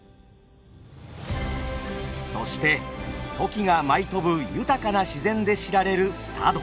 そしてトキが舞い飛ぶ豊かな自然で知られる佐渡。